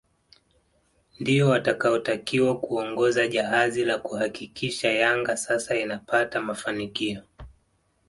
Ndio watakaotakiwa kuongoza jahazi la kuhakikisha Yanga sasa inapata mafanikio